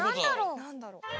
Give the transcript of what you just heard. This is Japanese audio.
なんだろ？